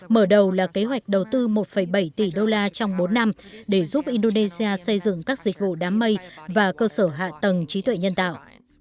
mở đầu là kế hoạch đầu tư một bảy tỷ đô la trong bốn năm để giúp indonesia xây dựng các dịch vụ đám mây và cơ sở hạ tầng trí tuệ nhân tạo